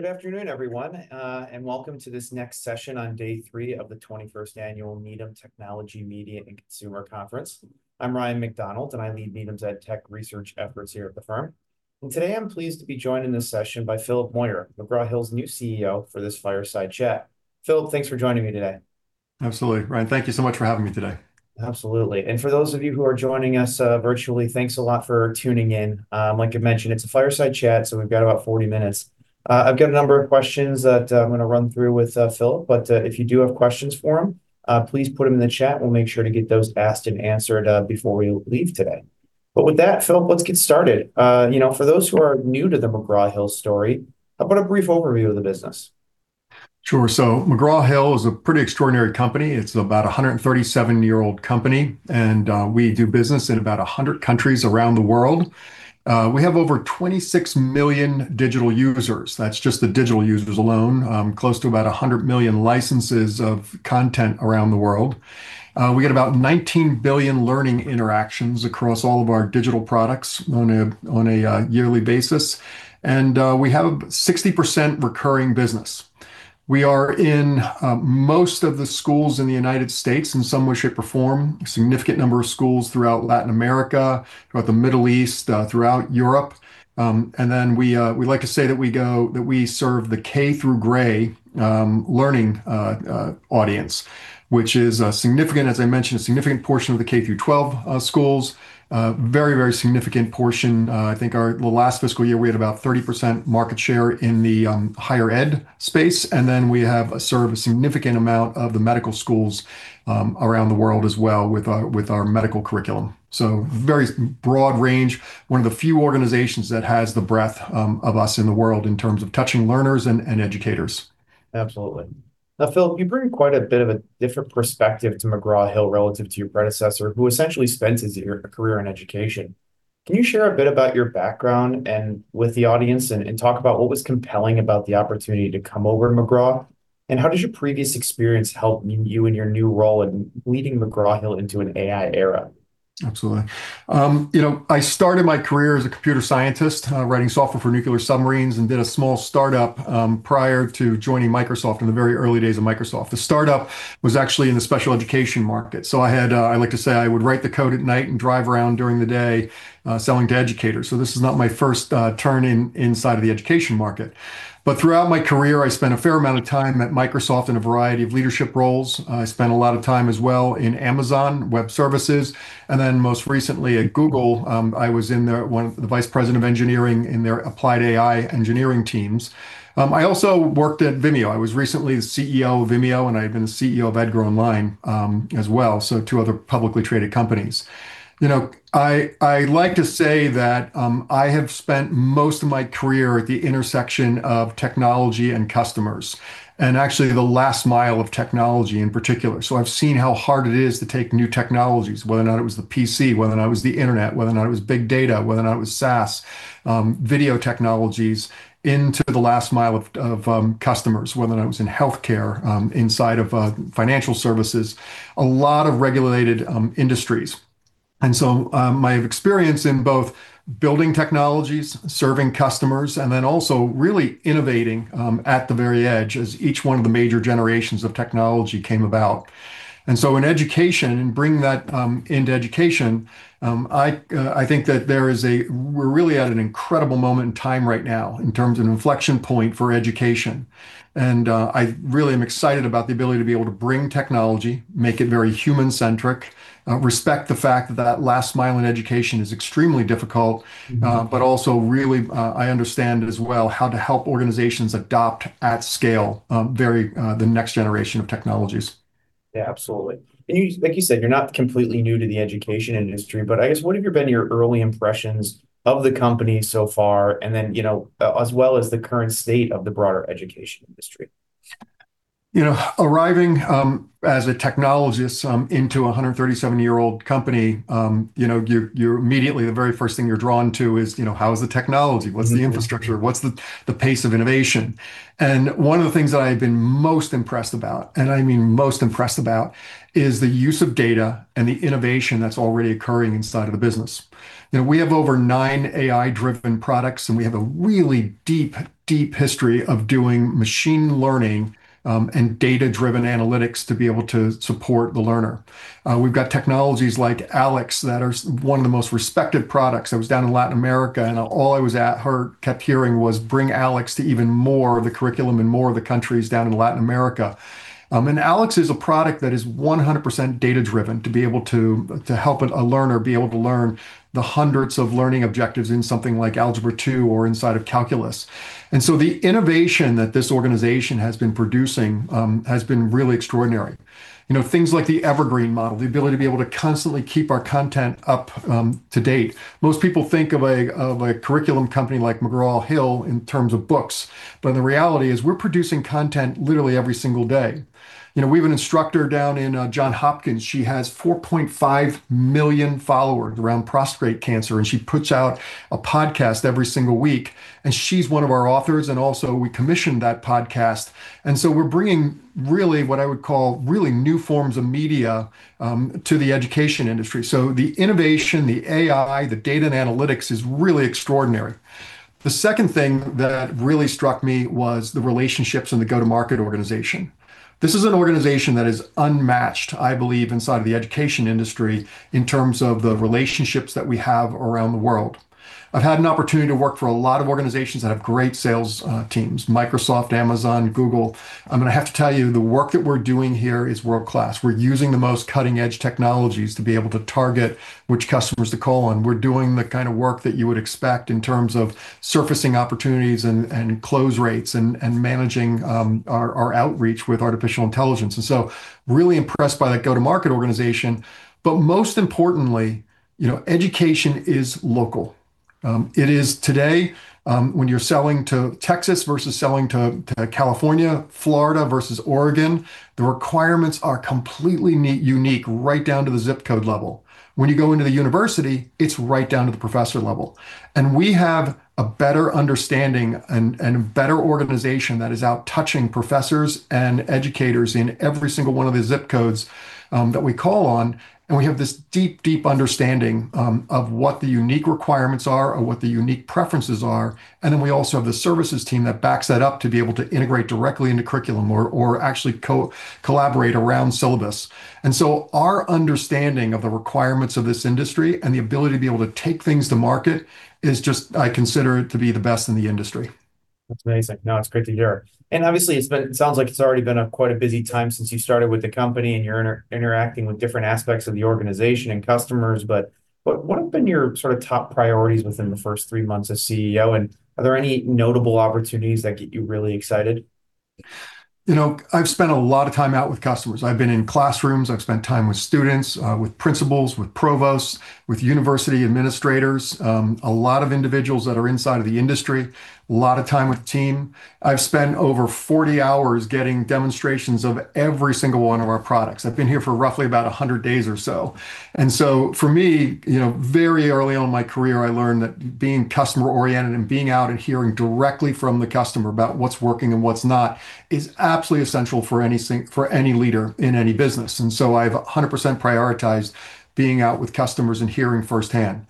Good afternoon, everyone, and welcome to this next session on day three of the 21st Annual Needham Technology, Media, & Consumer Conference. I'm Ryan MacDonald, I lead Needham's edtech research efforts here at the firm. Today I'm pleased to be joined in this session by Philip Moyer, McGraw Hill's new CEO, for this fireside chat. Philip, thanks for joining me today. Absolutely, Ryan. Thank you so much for having me today. Absolutely. For those of you who are joining us, virtually, thanks a lot for tuning in. Like I mentioned, it's a fireside chat, so we've got about 40 minutes. I've got a number of questions that, I'm gonna run through with Philip, but if you do have questions for him, please put them in the chat. We'll make sure to get those asked and answered before we leave today. With that, Philip, let's get started. You know, for those who are new to the McGraw Hill story, how about a brief overview of the business? McGraw Hill is a pretty extraordinary company. It's about 137-year-old company, and we do business in about 100 countries around the world. We have over 26 million digital users, that's just the digital users alone. Close to about 100 million licenses of content around the world. We get about 19 billion learning interactions across all of our digital products on a yearly basis and we have 60% recurring business. We are in most of the schools in the United States in some way, shape, or form. A significant number of schools throughout Latin America, throughout the Middle East, throughout Europe. Then we like to say that we serve the K through Gray, learning audience, which is significant, as I mentioned, a significant portion of the K through 12 schools. Very significant portion, I think our. Well, last fiscal year we had about 30% market share in the higher ed space, and then we have a significant amount of the medical schools around the world as well with our medical curriculum. Very broad range. One of the few organizations that has the breadth of us in the world in terms of touching learners and educators. Absolutely. Now, Philip, you bring quite a bit of a different perspective to McGraw Hill relative to your predecessor, who essentially spent his career in education. Can you share a bit about your background and with the audience and talk about what was compelling about the opportunity to come over to McGraw? How does your previous experience help you in your new role in leading McGraw Hill into an AI era? Absolutely. you know, I started my career as a computer scientist, writing software for nuclear submarines, and did a small startup prior to joining Microsoft in the very early days of Microsoft. The startup was actually in the special education market. I had I like to say I would write the code at night and drive around during the day, selling to educators. This is not my first turn inside of the education market. Throughout my career, I spent a fair amount of time at Microsoft in a variety of leadership roles. I spent a lot of time as well in Amazon Web Services. Most recently at Google, I was one of the Vice President of Engineering in their applied AI engineering teams. I also worked at Vimeo. I was recently the CEO of Vimeo. I had been the CEO of EDGAR Online as well, so two other publicly traded companies. You know, I like to say that I have spent most of my career at the intersection of technology and customers, and actually the last mile of technology in particular. I've seen how hard it is to take new technologies, whether or not it was the PC, whether or not it was the internet, whether or not it was big data, whether or not it was SaaS, video technologies, into the last mile of customers, whether or not it was in healthcare, inside of financial services, a lot of regulated industries. My experience in both building technologies, serving customers, and then also really innovating at the very edge as each one of the major generations of technology came about. In education, in bringing that into education, I think that there is a we're really at an incredible moment in time right now in terms of an inflection point for education. I really am excited about the ability to be able to bring technology, make it very human-centric, respect the fact that that last mile in education is extremely difficult but also really, I understand as well how to help organizations adopt at scale, very, the next generation of technologies. Yeah, absolutely. You, like you said, you're not completely new to the education industry, but I guess what have been your early impressions of the company so far, and then, you know, as well as the current state of the broader education industry? You know, arriving, as a technologist, into 137-year-old company, you know, you're immediately the very first thing you're drawn to is, you know, how is the technology? What's the infrastructure? What's the pace of innovation? One of the things that I've been most impressed about, and I mean most impressed about, is the use of data and the innovation that's already occurring inside of the business. Now, we have over nine AI-driven products, and we have a really deep history of doing machine learning and data-driven analytics to be able to support the learner. We've got technologies like ALEKS that are one of the most respected products. I was down in Latin America, all I kept hearing was bring ALEKS to even more of the curriculum in more of the countries down in Latin America. ALEKS is a product that is 100% data-driven to be able to help a learner be able to learn the hundreds of learning objectives in something like Algebra 2 or inside of Calculus. The innovation that this organization has been producing has been really extraordinary. You know, things like the Evergreen model, the ability to be able to constantly keep our content up to date. Most people think of a curriculum company like McGraw Hill in terms of books, but the reality is we're producing content literally every single day. You know, we have an instructor down in Johns Hopkins. She has 4.5 million followers around prostate cancer, and she puts out a podcast every single week, and she's one of our authors, and also we commissioned that podcast and so we're bringing really what I would call really new forms of media to the education industry. The innovation, the AI, the data and analytics is really extraordinary. The second thing that really struck me was the relationships in the go-to-market organization. This is an organization that is unmatched, I believe, inside of the education industry in terms of the relationships that we have around the world. I've had an opportunity to work for a lot and of organizations that have great sales teams, Microsoft, Amazon, Google. I'm gonna have to tell you, the work that we're doing here is world-class. We're using the most cutting-edge technologies to be able to target which customers to call on. We're doing the kind of work that you would expect in terms of surfacing opportunities and close rates and managing our outreach with artificial intelligence, and so really impressed by that go-to-market organization. Most importantly, you know, education is local. It is today, when you're selling to Texas versus selling to California, Florida versus Oregon, the requirements are completely unique right down to the ZIP code level. When you go into the university, it's right down to the professor level. We have a better understanding and better organization that is out touching professors and educators in every single one of the ZIP codes that we call on, and we have this deep understanding of what the unique requirements are or what the unique preferences are. We also have the services team that backs that up to be able to integrate directly into curriculum or actually collaborate around syllabus. Our understanding of the requirements of this industry and the ability to be able to take things to market is just, I consider it to be the best in the industry. That's amazing. No, it's great to hear. Obviously, it sounds like it's already been a quite a busy time since you started with the company, and you're interacting with different aspects of the organization and customers. What have been your sort of top priorities within the first three months as CEO, and are there any notable opportunities that get you really excited? You know, I've spent a lot of time out with customers. I've been in classrooms. I've spent time with students, with principals, with provosts, with university administrators, a lot of individuals that are inside of the industry, a lot of time with team. I've spent over 40 hours getting demonstrations of every single one of our products, so I've been here for roughly about 100 days or so. For me, you know, very early on in my career, I learned that being customer-oriented and being out and hearing directly from the customer about what's working and what's not is absolutely essential for any leader in any business and so I've 100% prioritized being out with customers and hearing firsthand.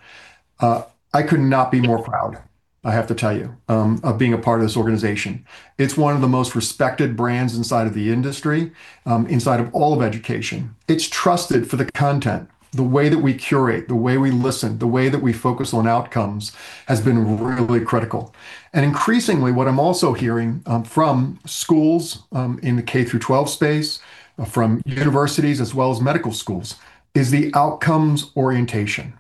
I could not be more proud, I have to tell you, of being a part of this organization. It's one of the most respected brands inside of the industry, inside of all of education. It's trusted for the content. The way that we curate, the way we listen, the way that we focus on outcomes has been really critical. Increasingly, what I'm also hearing from schools in the K through 12 space, from universities as well as medical schools, is the outcomes orientation.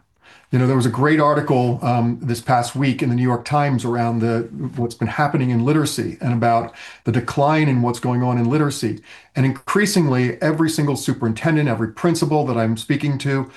You know, there was a great article this past week in The New York Times around the, what's been happening in literacy and about the decline in what's going on in literacy. Increasingly, every single superintendent, every principal that I'm speaking to,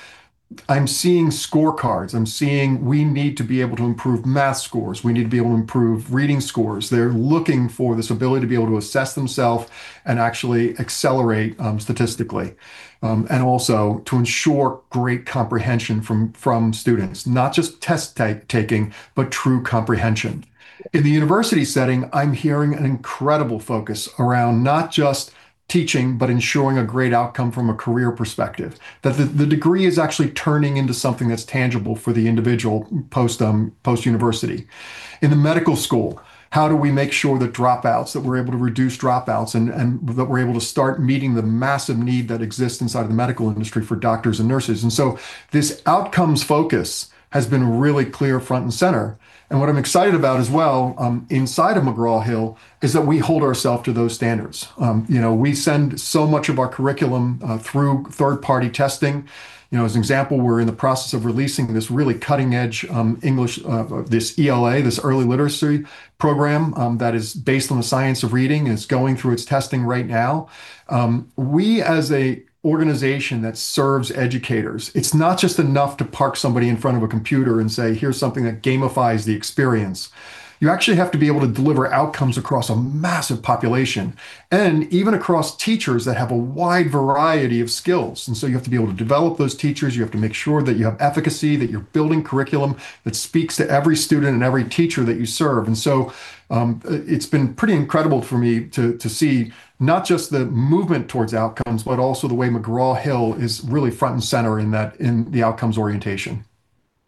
I'm seeing scorecards. I'm seeing we need to be able to improve math scores. We need to be able to improve reading scores. They're looking for this ability to be able to assess themself and actually accelerate statistically, and also to ensure great comprehension from students, not just test-taking, but true comprehension. In the university setting, I'm hearing an incredible focus around not just teaching, but ensuring a great outcome from a career perspective, that the degree is actually turning into something that's tangible for the individual post post-university. In the medical school, how do we make sure that we're able to reduce dropouts and that we're able to start meeting the massive need that exists inside of the medical industry for doctors and nurses? This outcomes focus has been really clear front and center. What I'm excited about as well, inside of McGraw Hill is that we hold ourselves to those standards. You know, we send so much of our curriculum through third-party testing. You know, as an example, we're in the process of releasing this really cutting-edge English, this ELA, this early literacy program that is based on the science of reading, and it's going through its testing right now. We as a organization that serves educators, it's not just enough to park somebody in front of a computer and say, "Here's something that gamifies the experience." You actually have to be able to deliver outcomes across a massive population and even across teachers that have a wide variety of skills and so you have to be able to develop those teachers. You have to make sure that you have efficacy, that you're building curriculum that speaks to every student and every teacher that you serve. It's been pretty incredible for me to see not just the movement towards outcomes, but also the way McGraw Hill is really front and center in the outcomes orientation.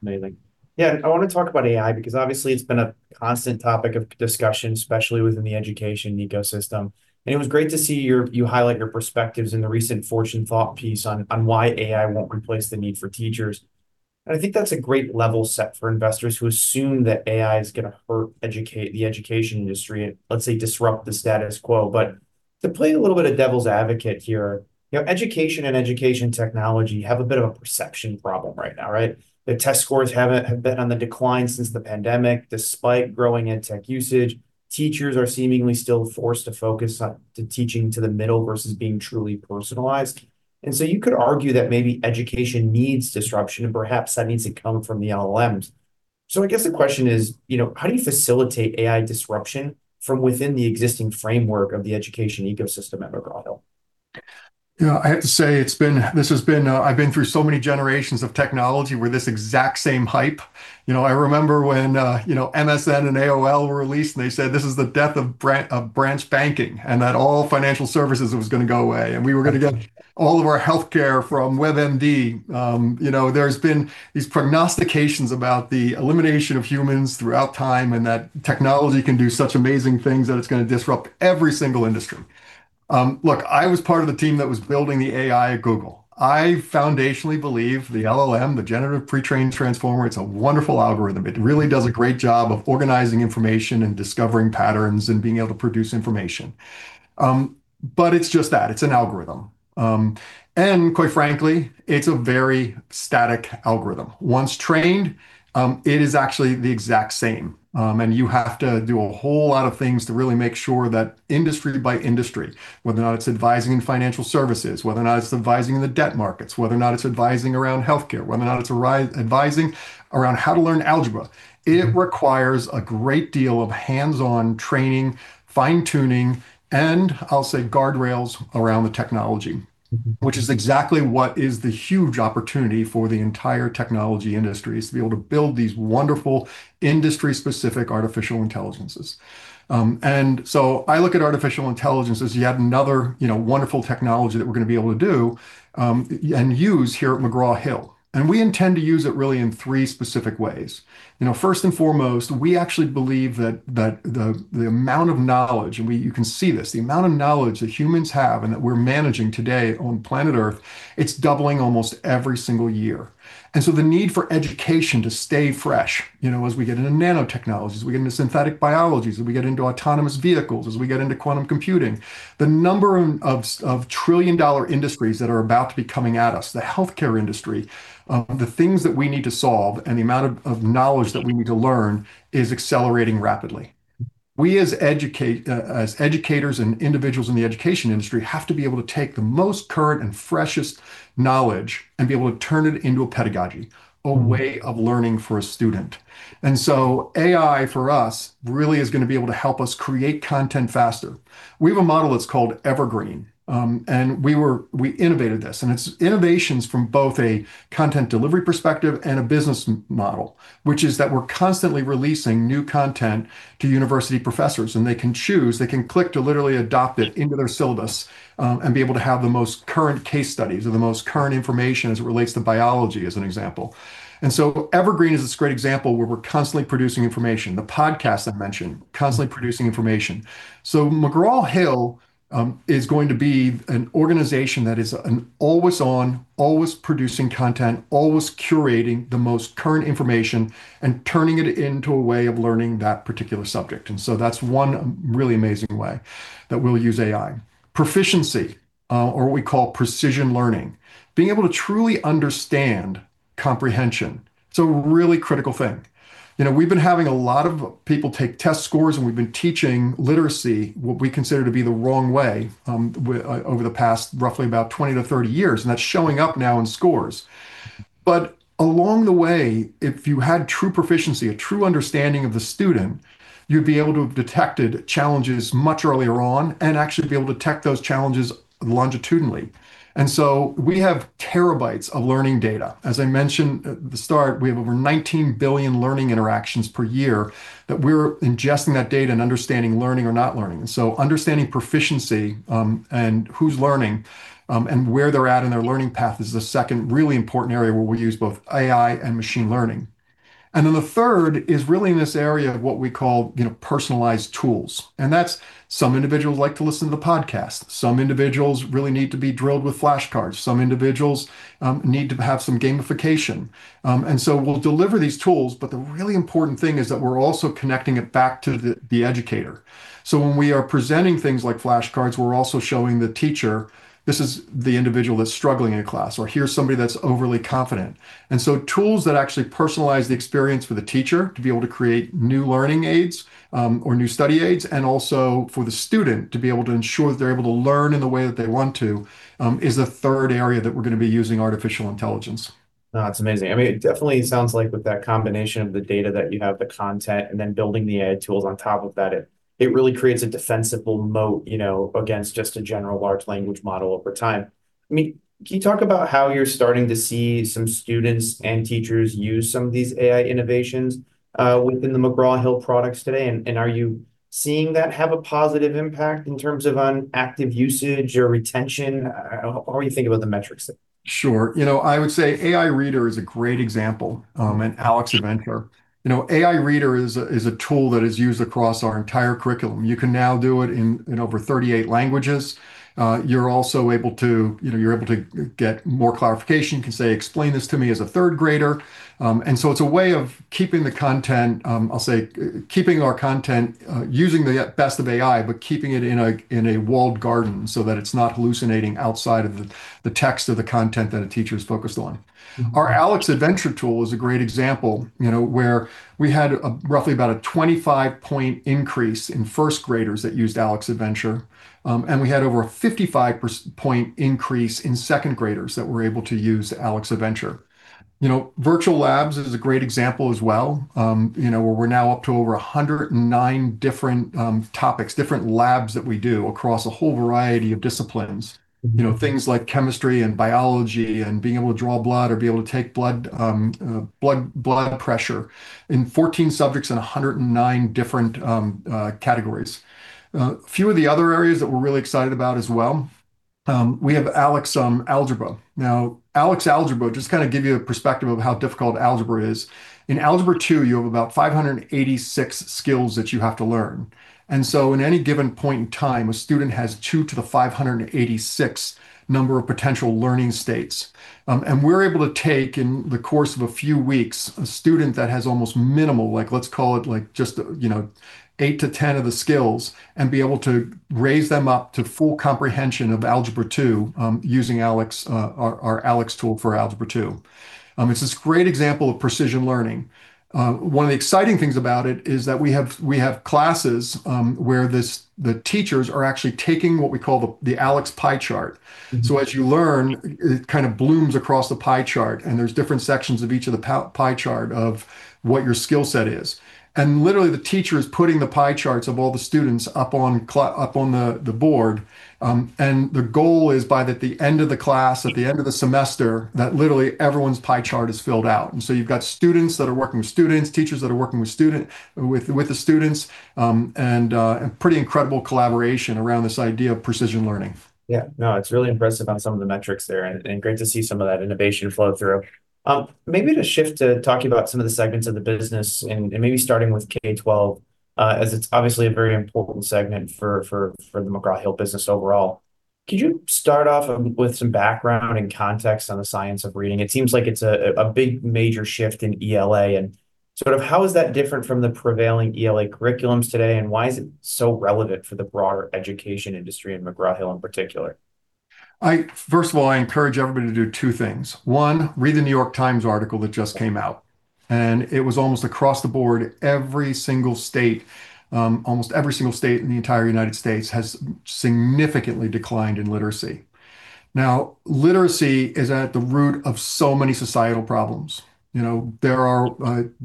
Amazing. Yeah, I wanna talk about AI because obviously it's been a constant topic of discussion, especially within the education ecosystem. It was great to see you highlight your perspectives in the recent Fortune thought piece on why AI won't replace the need for teachers. I think that's a great level set for investors who assume that AI is gonna hurt the education industry and, let's say, disrupt the status quo. To play a little bit of devil's advocate here, you know education and education technology have a bit of a perception problem right now, right? The test scores have been on the decline since the pandemic, despite growing in tech usage. Teachers are seemingly still forced to focus on to teaching to the middle versus being truly personalized. You could argue that maybe education needs disruption, and perhaps that needs to come from the LLMs. I guess the question is, you know, how do you facilitate AI disruption from within the existing framework of the education ecosystem at McGraw Hill? You know, I have to say this has been, I've been through so many generations of technology with this exact same hype. You know, I remember when, you know, MSN and AOL were released, and they said this is the death of branch banking and that all financial services was gonna go away, and we were gonna get all of our healthcare from WebMD. You know, there's been these prognostications about the elimination of humans throughout time and that technology can do such amazing things that it's gonna disrupt every single industry. Look, I was part of the team that was building the AI at Google. I foundationally believe the LLM, the generative pre-trained transformer, it's a wonderful algorithm. It really does a great job of organizing information and discovering patterns and being able to produce information. It's just that. It's an algorithm. Quite frankly, it's a very static algorithm. Once trained, it is actually the exact same. You have to do a whole lot of things to really make sure that industry by industry, whether or not it's advising in financial services, whether or not it's advising in the debt markets, whether or not it's advising around healthcare, whether or not it's advising around how to learn algebra. it requires a great deal of hands-on training, fine-tuning, and I'll say guardrails around the technology which is exactly what is the huge opportunity for the entire technology industry, is to be able to build these wonderful industry-specific artificial intelligences. I look at artificial intelligence as yet another, you know, wonderful technology that we're gonna be able to do and use here at McGraw Hill. We intend to use it really in three specific ways. You know, first and foremost, we actually believe that the amount of knowledge, and we you can see this, the amount of knowledge that humans have and that we're managing today on planet Earth, it's doubling almost every single year. The need for education to stay fresh, you know, as we get into nanotechnologies, as we get into synthetic biologies, as we get into autonomous vehicles, as we get into quantum computing, the number of trillion-dollar industries that are about to be coming at us, the healthcare industry, the things that we need to solve, and the amount of knowledge that we need to learn is accelerating rapidly. We as educators and individuals in the education industry have to be able to take the most current and freshest knowledge and be able to turn it into a pedagogy, a way of learning for a student and so AI for us really is going to be able to help us create content faster. We have a model that's called Evergreen, and we innovated this, and it's innovations from both a content delivery perspective and a business model, which is that we're constantly releasing new content to university professors, and they can choose, they can click to literally adopt it into their syllabus, and be able to have the most current case studies or the most current information as it relates to biology as an example. Evergreen is this great example where we're constantly producing information. The podcast I mentioned. Constantly producing information. McGraw Hill is going to be an organization that is an always on, always producing content, always curating the most current information and turning it into a way of learning that particular subject and so that's one really amazing way that we'll use AI. Proficiency, or what we call Precision Learning, being able to truly understand comprehension, it's a really critical thing. You know, we've been having a lot of people take test scores, and we've been teaching literacy what we consider to be the wrong way, over the past roughly about 20-30 years, and that's showing up now in scores. Along the way, if you had true proficiency, a true understanding of the student, you'd be able to have detected challenges much earlier on and actually be able to detect those challenges longitudinally and so we have terabytes of learning data. As I mentioned at the start, we have over 19 billion learning interactions per year that we're ingesting that data and understanding learning or not learning. Understanding proficiency, and who's learning, and where they're at in their learning path is the second really important area where we use both AI and machine learning. The third is really in this area of what we call, you know, personalized tools, and that's some individuals like to listen to podcasts, some individuals really need to be drilled with flashcards, some individuals need to have some gamification. We'll deliver these tools, but the really important thing is that we're also connecting it back to the educator. When we are presenting things like flashcards, we're also showing the teacher, this is the individual that's struggling in a class, or here's somebody that's overly confident. Tools that actually personalize the experience for the teacher to be able to create new learning aids, or new study aids, and also for the student to be able to ensure that they're able to learn in the way that they want to, is the third area that we're gonna be using artificial intelligence. It's amazing. I mean, it definitely sounds like with that combination of the data that you have, the content, and then building the AI tools on top of that, it really creates a defensible moat, you know, against just a general large language model over time. I mean, can you talk about how you're starting to see some students and teachers use some of these AI innovations within the McGraw Hill products today, and are you seeing that have a positive impact in terms of on active usage or retention? How are you thinking about the metrics there? Sure. You know, I would say AI Reader is a great example, and ALEKS Adventure. You know, AI Reader is a tool that is used across our entire curriculum. You can now do it in over 38 languages. You're also able to, you know, you're able to get more clarification, you can say, "Explain this to me as a third grader." It's a way of keeping the content, I'll say keeping our content, using the best of AI, but keeping it in a walled garden so that it's not hallucinating outside of the text of the content that a teacher is focused on. Our ALEKS Adventure tool is a great example, you know, where we had a roughly about a 25-point increase in first graders that used ALEKS Adventure. We had over a 55-point increase in second graders that were able to use ALEKS Adventure. You know, Virtual Labs is a great example as well, you know, where we're now up to over 109 different topics, different labs that we do across a whole variety of disciplines. You know, things like chemistry and biology and being able to draw blood or be able to take blood pressure in 14 subjects in 109 different categories. A few of the other areas that we're really excited about as well. We have ALEKS Algebra. ALEKS algebra, just kind of give you a perspective of how difficult algebra is. In Algebra 2, you have about 586 skills that you have to learn. In any given point in time, a student has 2 to the 586 number of potential learning states. We're able to take, in the course of a few weeks, a student that has almost minimal, like let's call it like just, you know, 8-10 of the skills, and be able to raise them up to full comprehension of Algebra 2, using ALEKS, our ALEKS tool for Algebra 2. It's this great example of precision learning. One of the exciting things about it is that we have classes, where this, the teachers are actually taking what we call the ALEKS pie chart. As you learn, it kind of blooms across the pie chart, and there's different sections of each of the pie chart of what your skill set is. Literally, the teacher is putting the pie charts of all the students up on the board. The goal is by the end of the class, at the end of the semester, that literally everyone's pie chart is filled out. You've got students that are working with students, teachers that are working with the students, a pretty incredible collaboration around this idea of precision learning. Yeah. No, it's really impressive on some of the metrics there and great to see some of that innovation flow through. Maybe to shift to talking about some of the segments of the business and maybe starting with K-12, as it's obviously a very important segment for the McGraw Hill business overall. Could you start off with some background and context on the science of reading? It seems like it's a big major shift in ELA and sort of how is that different from the prevailing ELA curriculums today, and why is it so relevant for the broader education industry and McGraw Hill in particular? I, first of all, I encourage everybody to do two things. One, read The New York Times article that just came out, it was almost across the board every single state, almost every single state in the entire United States has significantly declined in literacy. Now, literacy is at the root of so many societal problems. You know, there are,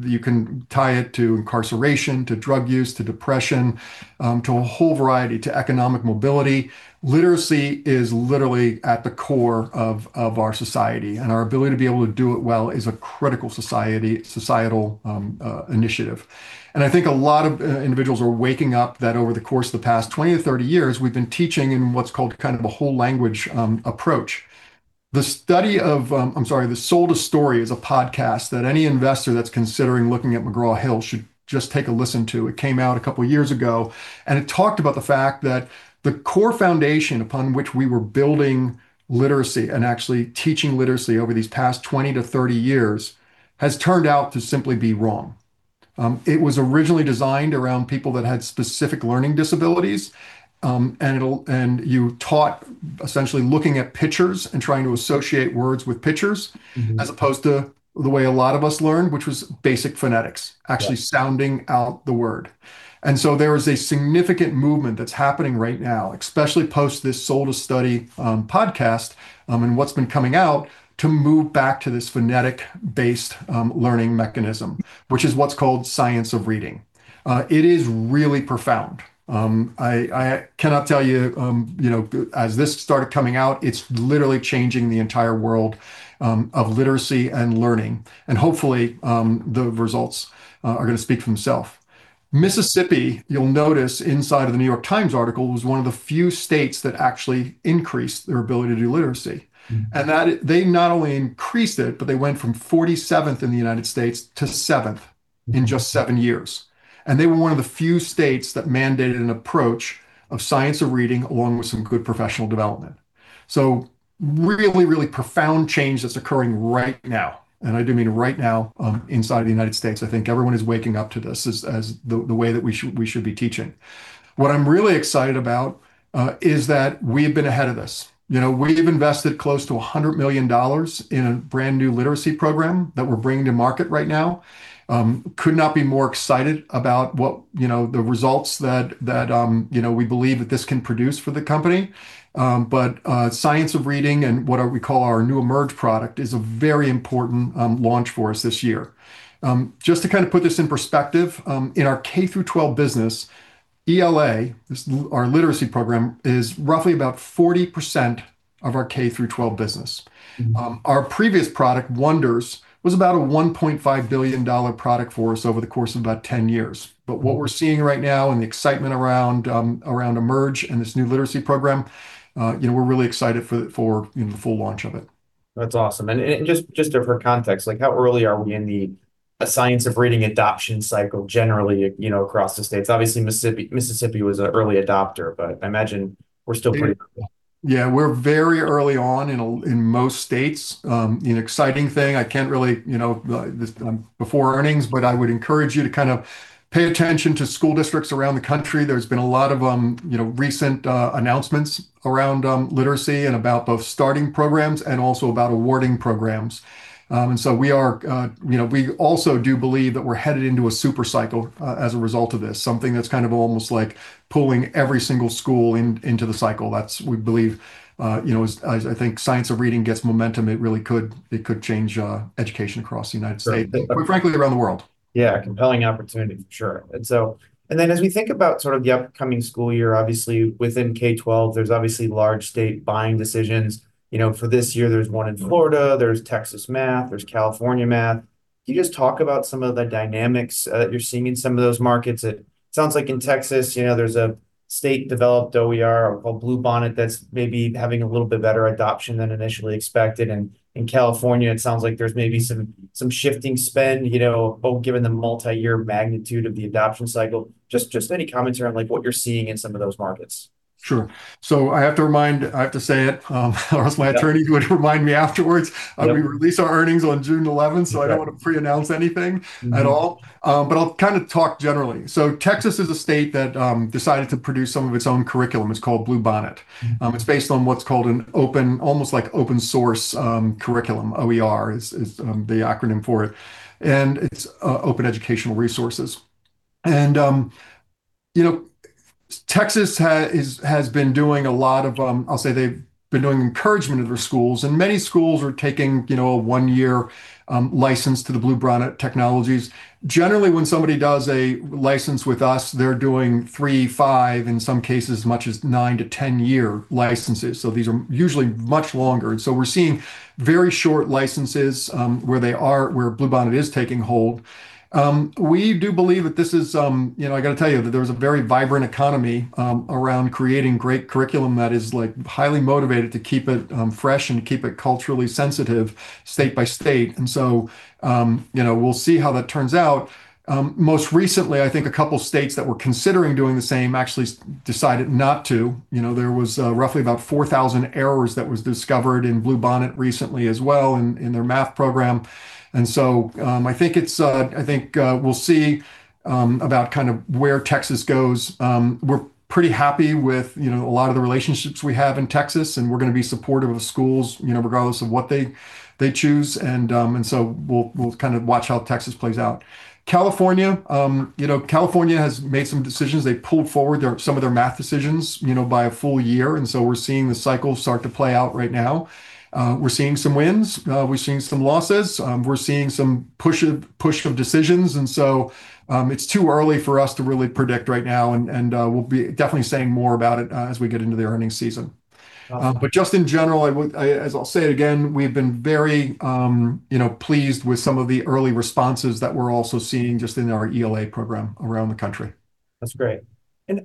you can tie it to incarceration, to drug use, to depression, to a whole variety, to economic mobility. Literacy is literally at the core of our society, and our ability to be able to do it well is a critical society, societal initiative. I think a lot of individuals are waking up that over the course of the past 20-30 years we've been teaching in what's called kind of a whole language approach. The study of, I'm sorry, the Sold a Story is a podcast that any investor that's considering looking at McGraw Hill should just take a listen to. It came out a couple years ago, and it talked about the fact that the core foundation upon which we were building literacy and actually teaching literacy over these past 20-30 years has turned out to simply be wrong. It was originally designed around people that had specific learning disabilities. You taught essentially looking at pictures and trying to associate words with pictures as opposed to the way a lot of us learned, which was basic phonetics, actually sounding out the word. There is a significant movement that's happening right now, especially post this Sold a Story podcast and what's been coming out to move back to this phonetic-based learning mechanism, which is what's called science of reading. It is really profound. I cannot tell you know, as this started coming out, it's literally changing the entire world of literacy and learning. Hopefully, the results are gonna speak for themself. Mississippi, you'll notice inside of The New York Times article, was one of the few states that actually increased their ability to do literacy. They not only increased it, but they went from 47th in the United States to seventh in just seven years. They were one of the few states that mandated an approach of science of reading along with some good professional development. Really, really profound change that's occurring right now, and I do mean right now, inside the United States. I think everyone is waking up to this as the way that we should be teaching. What I'm really excited about is that we have been ahead of this. You know, we've invested close to $100 million in a brand-new literacy program that we're bringing to market right now. I could not be more excited about what, you know, the results that, you know, we believe that this can produce for the company. Science of reading and what we call our new Emerge! product is a very important launch for us this year. Just to kind of put this in perspective, in our K through 12 business, ELA, this, our literacy program, is roughly about 40% of our K through 12 business. Our previous product, Wonders, was about a $1.5 billion product for us over the course of about 10 years. What we're seeing right now and the excitement around Emerge! and this new literacy program, you know, we're really excited for the, you know, the full launch of it. That's awesome. Just different context, like how early are we in the science of reading adoption cycle generally, you know, across the States? Obviously Mississippi was a early adopter. I imagine we're still pretty early. Yeah, we're very early on in most states. An exciting thing, I can't really, you know, before earnings, I would encourage you to kind of pay attention to school districts around the country. There's been a lot of, you know, recent announcements around literacy and about both starting programs and also about awarding programs. We are, you know, we also do believe that we're headed into a super cycle as a result of this, something that's kind of almost like pulling every single school into the cycle. That's, we believe, you know, as I think science of reading gets momentum, it really could change education across the United States. So- ...quite frankly, around the world. Yeah. Compelling opportunity for sure. As we think about sort of the upcoming school year, obviously within K-12, there's obviously large state buying decisions. You know, for this year there's one in Florida, there's Texas Math, there's California Math. Can you just talk about some of the dynamics you're seeing in some of those markets? It sounds like in Texas, you know, there's a state-developed OER called Bluebonnet that's maybe having a little bit better adoption than initially expected. In California, it sounds like there's maybe some shifting spend, you know, both given the multi-year magnitude of the adoption cycle. Just any commentary on, like, what you're seeing in some of those markets. Sure. I have to say it. Yeah. My attorney would remind me afterwards. Yeah. We release our earnings on June 11th. Yeah. I don't wanna pre-announce anything at all but I'll kinda talk generally. Texas is a state that decided to produce some of its own curriculum. It's called Bluebonnet. It's based on what's called an open, almost like open source curriculum. OER is the acronym for it, and it's Open Educational Resources. You know, Texas has been doing a lot of, I'll say they've been doing encouragement of their schools, and many schools are taking, you know, a one-year license to the Bluebonnet technologies. Generally, when somebody does a license with us, they're doing three, five, in some cases, as much as nine to 10-year licenses, so these are usually much longer. We're seeing very short licenses, where they are, where Bluebonnet is taking hold. We do believe that there is a very vibrant economy around creating great curriculum that is, like, highly motivated to keep it fresh and keep it culturally sensitive state by state. You know, we'll see how that turns out. Most recently, I think a couple states that were considering doing the same actually decided not to. You know, there was roughly about 4,000 errors that was discovered in Bluebonnet recently as well in their math program and so I think we'll see about kind of where Texas goes. We're pretty happy with, you know, a lot of the relationships we have in Texas, and we're gonna be supportive of schools, you know, regardless of what they choose. We'll kind of watch how Texas plays out. California, you know, California has made some decisions. They pulled forward some of their math decisions, you know, by a full year, we're seeing the cycle start to play out right now. We're seeing some wins. We're seeing some losses. We're seeing some push of decisions. It's too early for us to really predict right now, we'll be definitely saying more about it as we get into the earnings season. Got it. Just in general, I'll say it again, we've been very, you know, pleased with some of the early responses that we're also seeing just in our ELA program around the country. That's great.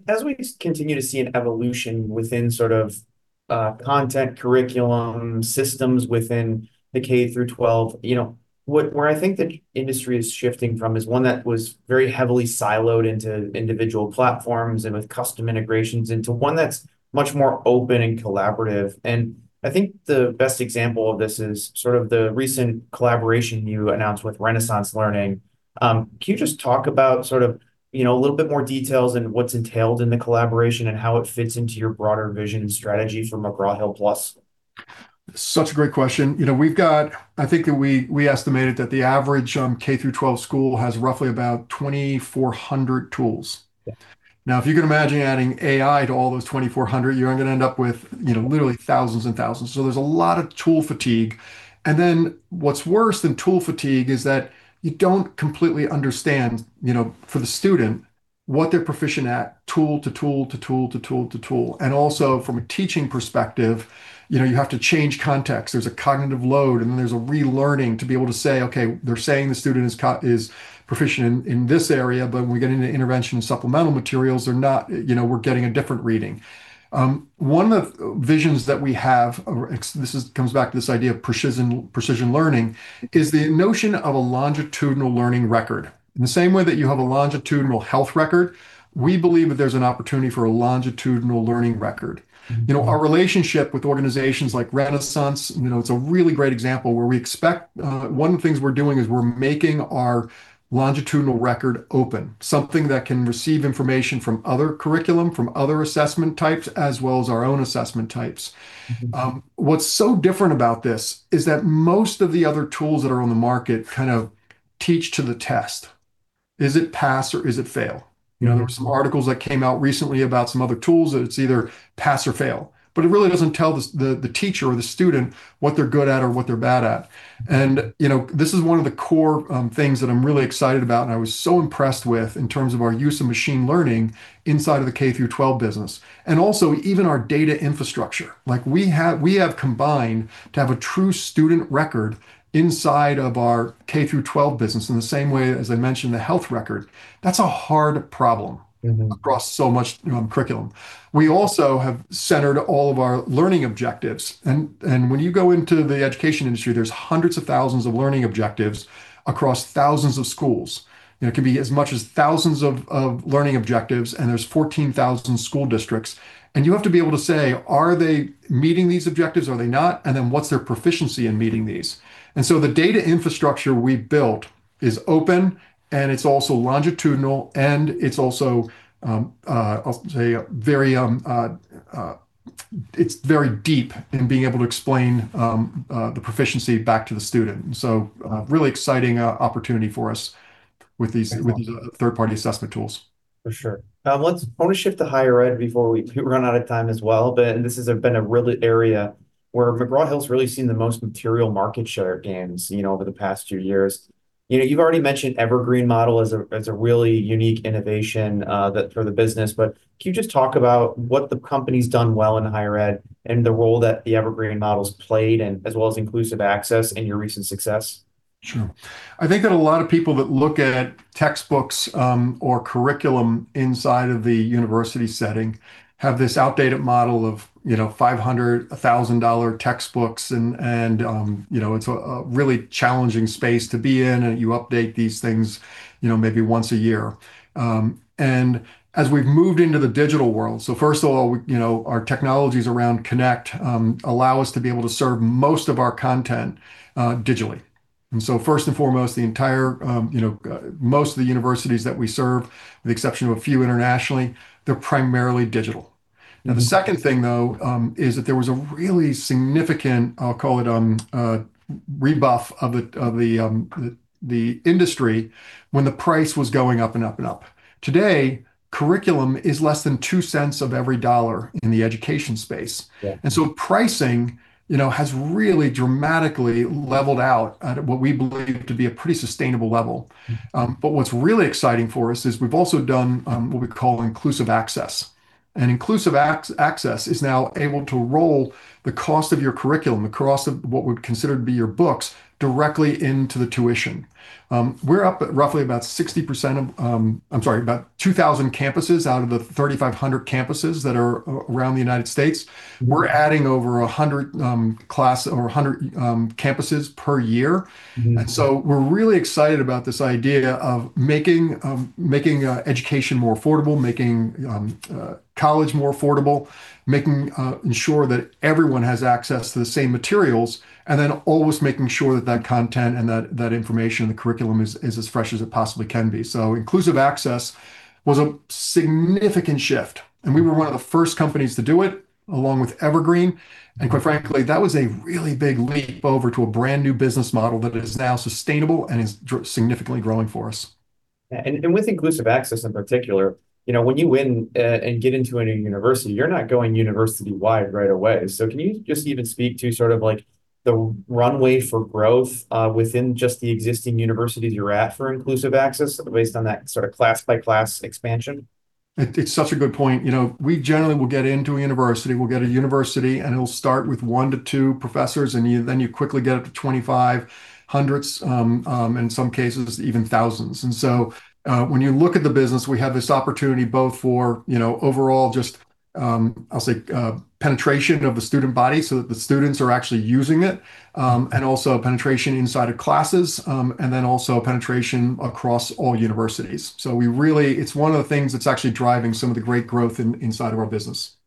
As we continue to see an evolution within sort of, content curriculum systems within the K through 12, you know, what, where I think the industry is shifting from is one that was very heavily siloed into individual platforms and with custom integrations into one that's much more open and collaborative. I think the best example of this is sort of the recent collaboration you announced with Renaissance Learning. Can you just talk about sort of, you know, a little bit more details and what's entailed in the collaboration and how it fits into your broader vision and strategy for McGraw Hill Plus? Such a great question. You know, I think that we estimated that the average K through 12 school has roughly about 2,400 tools. Yeah. If you can imagine adding AI to all those 2,400, you're gonna end up with, you know, literally thousands and thousands. There's a lot of tool fatigue. What's worse than tool fatigue is that you don't completely understand, you know, for the student, what they're proficient at tool to tool to tool to tool to tool. Also, from a teaching perspective, you know, you have to change context. There's a cognitive load, and then there's a relearning to be able to say, "Okay, they're saying the student is proficient in this area, but when we get into intervention and supplemental materials, they're not, you know, we're getting a different reading." One of the visions that we have, this comes back to this idea of Precision Learning, is the notion of a longitudinal learning record. In the same way that you have a longitudinal health record, we believe that there's an opportunity for a longitudinal learning record. You know, our relationship with organizations like Renaissance, you know, it's a really great example where we expect, one of the things we're doing is we're making our longitudinal record open, something that can receive information from other curriculum, from other assessment types, as well as our own assessment types. What's so different about this is that most of the other tools that are on the market kind of teach to the test. Is it pass or is it fail? Yeah. You know, there were some articles that came out recently about some other tools that it's either pass or fail. It really doesn't tell the teacher or the student what they're good at or what they're bad at. You know, this is one of the core things that I'm really excited about and I was so impressed with in terms of our use of machine learning inside of the K through 12 business and also even our data infrastructure. Like, we have combined to have a true student record inside of our K through 12 business in the same way as I mentioned the health record. That's a hard problem- In curriculum. ...across so much curriculum. We also have centered all of our learning objectives. When you go into the education industry, there's hundreds of thousands of learning objectives across thousands of schools. You know, it can be as much as thousands of learning objectives, and there's 14,000 school districts. You have to be able to say, "Are they meeting these objectives? Are they not? What's their proficiency in meeting these?" The data infrastructure we've built is open, and it's also longitudinal, I'll say very, it's very deep in being able to explain the proficiency back to the student. Very cool. A really exciting opportunity for us with these third-party assessment tools. For sure. I wanna shift to higher ed before we run out of time as well. This has been a really area where McGraw Hill's really seen the most material market share gains, you know, over the past few years. You know, you've already mentioned Evergreen model as a really unique innovation, that, for the business. Can you just talk about what the company's done well in higher ed and the role that the Evergreen model's played and as well as Inclusive Access in your recent success? Sure. I think that a lot of people that look at textbooks, or curriculum inside of the university setting have this outdated model of, you know, $500, $1,000 textbooks and, you know, it's a really challenging space to be in, and you update these things, you know, maybe once a year. As we've moved into the digital world, so first of all, you know, our technologies around Connect allow us to be able to serve most of our content digitally. First and foremost, the entire, you know, most of the universities that we serve, with the exception of a few internationally, they're primarily digital. Yeah. The second thing, though, is that there was a really significant, I'll call it, a rebuff of the industry when the price was going up and up and up. Today, curriculum is less than $0.02 of every $1 in the education space. Pricing, you know, has really dramatically leveled out at what we believe to be a pretty sustainable level. What's really exciting for us is we've also done what we call Inclusive Access, and Inclusive Access is now able to roll the cost of your curriculum across the, what we'd consider to be your books, directly into the tuition. We're up at roughly about 60% of I'm sorry, about 2,000 campuses out of the 3,500 campuses that are around the U.S. We're adding over 100 campuses per year. We're really excited about this idea of making education more affordable, making college more affordable, making sure that everyone has access to the same materials, and then always making sure that content and that information in the curriculum is as fresh as it possibly can be. Inclusive Access was a significant shift, and we were one of the first companies to do it, along with Evergreen, and quite frankly, that was a really big leap over to a brand-new business model that is now sustainable and is significantly growing for us. Yeah. And with Inclusive Access in particular, you know, when you win, and get into a new university, you're not going university-wide right away. Can you just even speak to sort of like the runway for growth, within just the existing universities you're at for Inclusive Access based on that sort of class by class expansion? It's such a good point. You know, we generally will get into a university, and it'll start with one to two professors, then you quickly get up to 2,500, in some cases, even thousands. When you look at the business, we have this opportunity both for, you know, overall just, I'll say, penetration of the student body so that the students are actually using it, and also penetration inside of classes, and then also penetration across all universities. It's one of the things that's actually driving some of the great growth inside of our business.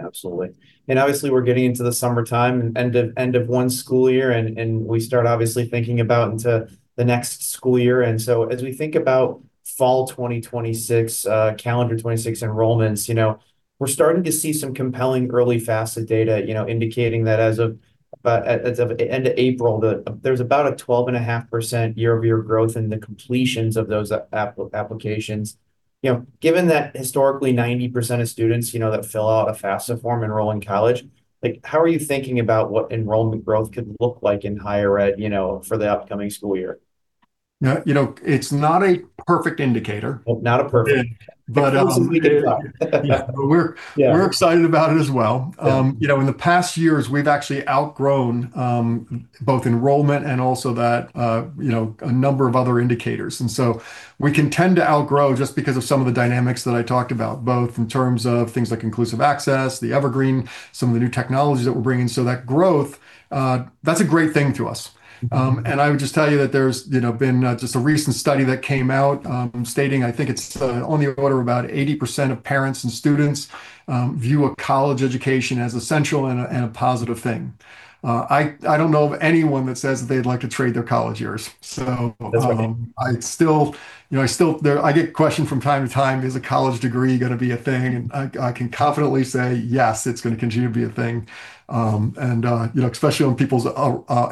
Absolutely. Obviously, we're getting into the summertime and end of one school year, and we start obviously thinking about into the next school year. As we think about fall 2026, calendar 2026 enrollments, you know, we're starting to see some compelling early FAFSA data, you know, indicating that as of end of April, there's about a 12.5% year-over-year growth in the completions of those applications. You know, given that historically 90% of students, you know, that fill out a FAFSA form enroll in college, like, how are you thinking about what enrollment growth could look like in higher ed, you know, for the upcoming school year? Yeah, you know, it's not a perfect indicator. Not a perfect- But, um- Also, we can talk. Yeah. Yeah. We're excited about it as well. Yeah. You know, in the past years, we've actually outgrown, both enrollment and also that, you know, a number of other indicators. We can tend to outgrow just because of some of the dynamics that I talked about, both in terms of things like Inclusive Access, the Evergreen, some of the new technologies that we're bringing. That growth, that's a great thing to us. I would just tell you that there's, you know, been, just a recent study that came out, stating, I think it's, on the order of about 80% of parents and students, view a college education as essential and a, and a positive thing. I don't know of anyone that says that they'd like to trade their college years. That's what I think. I still, you know, I still, there, I get questioned from time to time, "Is a college degree gonna be a thing?" I can confidently say, yes, it's gonna continue to be a thing. You know, especially on people's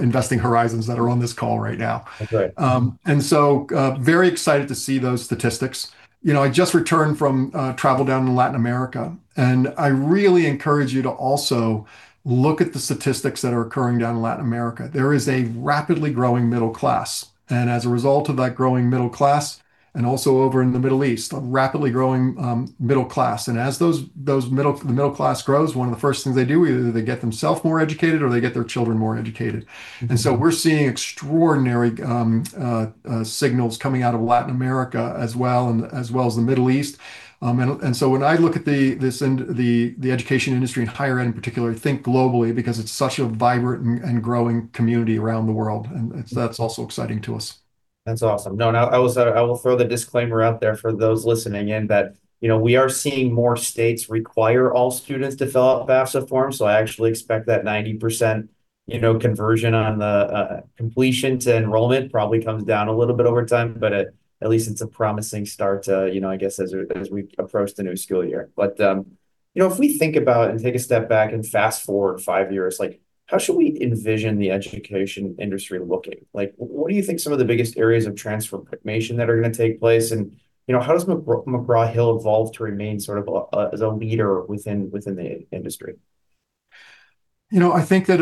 investing horizons that are on this call right now. That's right. Very excited to see those statistics. You know, I just returned from travel down to Latin America, and I really encourage you to also look at the statistics that are occurring down in Latin America. There is a rapidly growing middle class, and as a result of that growing middle class, and also over in the Middle East, a rapidly growing middle class. As the middle class grows, one of the first things they do, either they get themself more educated or they get their children more educated and so we're seeing extraordinary signals coming out of Latin America as well as the Middle East. When I look at the education industry and higher ed in particular, think globally because it's such a vibrant and growing community around the world, that's also exciting to us. That's awesome. I will throw the disclaimer out there for those listening in that, you know, we are seeing more states require all students to fill out the FAFSA form, so I actually expect that 90%, you know, conversion on the completion to enrollment probably comes down a little bit over time, but at least it's a promising start to, you know, I guess as we approach the new school year. you know, if we think about and take a step back and fast-forward five years, like, how should we envision the education industry looking? What do you think some of the biggest areas of transformation that are going to take place and, you know, how does McGraw Hill evolve to remain sort of as a leader within the industry? You know, I think that,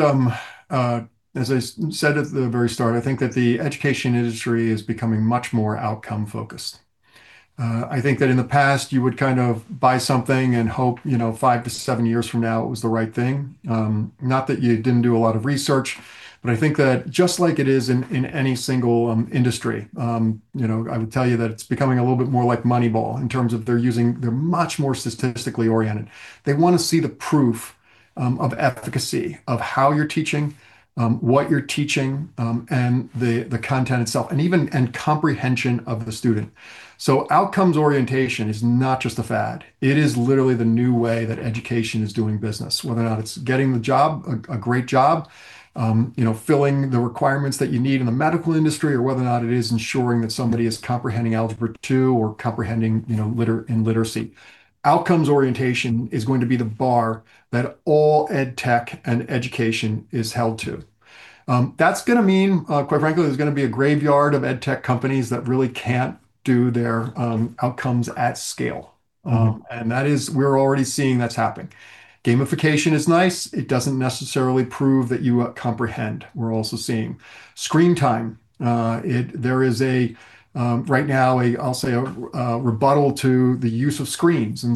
as I said at the very start, I think that the education industry is becoming much more outcome focused. I think that in the past you would kind of buy something and hope, you know, five to seven years from now it was the right thing. Not that you didn't do a lot of research, but I think that just like it is in any single industry, you know, I would tell you that it's becoming a little bit more like Moneyball in terms of they're much more statistically oriented. They wanna see the proof of efficacy of how you're teaching, what you're teaching, and the content itself, and even, and comprehension of the student. Outcomes orientation is not just a fad. It is literally the new way that education is doing business, whether or not it's getting the job, a great job, you know, filling the requirements that you need in the medical industry, or whether or not it is ensuring that somebody is comprehending Algebra 2 or comprehending, you know, in literacy. Outcomes orientation is going to be the bar that all edtech and education is held to. That's going to mean, quite frankly, there's going to be a graveyard of edtech companies that really can't do their outcomes at scale. That is, we're already seeing that is happening. Gamification is nice. It doesn't necessarily prove that you comprehend. We're also seeing screen time. There is a right now, I'll say a rebuttal to the use of screens. You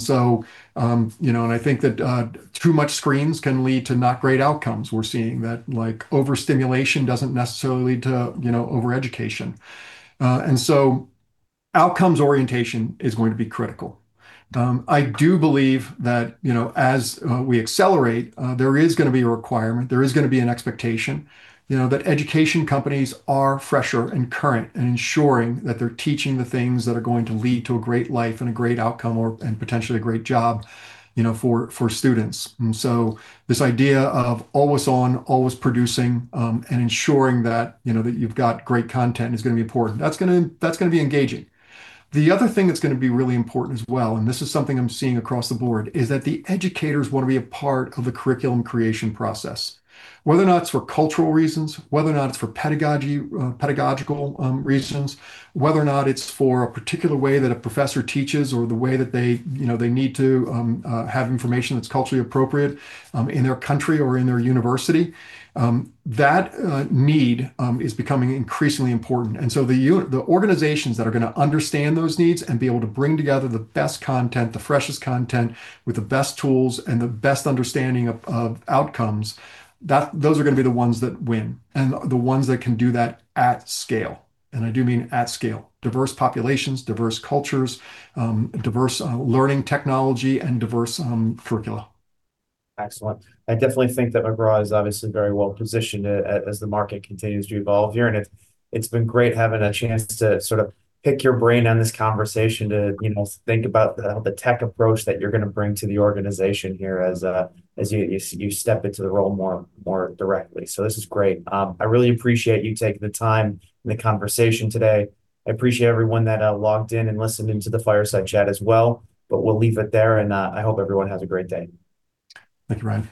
know, I think that too much screens can lead to not great outcomes. We're seeing that, like, overstimulation doesn't necessarily lead to, you know, over-education. Outcomes orientation is going to be critical. I do believe that, you know, as we accelerate, there is going to be a requirement, there is going to be an expectation, you know, that education companies are fresher and current in ensuring that they're teaching the things that are going to lead to a great life and a great outcome or, and potentially a great job, you know, for students. This idea of always on, always producing, and ensuring that, you know, that you've got great content is going to be important. That's going to be engaging. The other thing that's gonna be really important as well, and this is something I'm seeing across the board, is that the educators wanna be a part of the curriculum creation process. Whether or not it's for cultural reasons, whether or not it's for pedagogy, pedagogical reasons, whether or not it's for a particular way that a professor teaches or the way that they, you know, they need to have information that's culturally appropriate in their country or in their university, that need is becoming increasingly important. The organizations that are gonna understand those needs and be able to bring together the best content, the freshest content with the best tools and the best understanding of outcomes, those are gonna be the ones that win, and the ones that can do that at scale, and I do mean at scale. Diverse populations, diverse cultures, diverse learning technology, and diverse curricula. Excellent. I definitely think that McGraw is obviously very well-positioned as the market continues to evolve here, and it's been great having a chance to sort of pick your brain on this conversation to, you know, think about the tech approach that you're gonna bring to the organization here as you step into the role more directly. This is great. I really appreciate you taking the time and the conversation today. I appreciate everyone that logged in and listened into the fireside chat as well, we'll leave it there, I hope everyone has a great day. Thank you, Ryan.